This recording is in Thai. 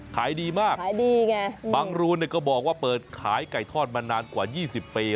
ขายดีมากบางรูนก็บอกว่าเปิดขายไก่ทอดมานานกว่า๒๐ปี